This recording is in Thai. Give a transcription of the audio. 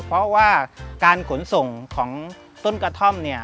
เพราะว่าการขนส่งของต้นกระท่อมเนี่ย